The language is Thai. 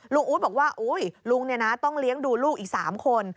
ลุงอู๊ดบอกว่าอุ๊ยลุงเนี่ยนะต้องเลี้ยงดูลูกอีก๓คน